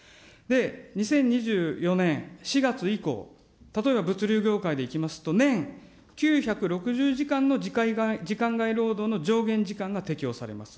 ２０２４年４月以降、例えば物流業界でいきますと、年９６０時間の時間外労働の上限時間が適用されます。